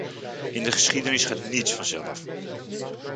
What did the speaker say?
In de geschiedenis gaat niets vanzelf.